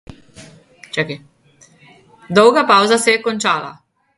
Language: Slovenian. Dolga pavza se je končala.